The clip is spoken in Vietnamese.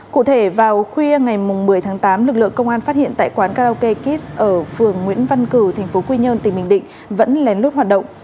cụ thể vào khuya ngày một mươi tháng tám lực lượng công an phát hiện tại quán karaoke kit ở phường nguyễn văn cử tp quy nhơn tỉnh bình định vẫn lén lút hoạt động